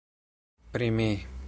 Pri mi!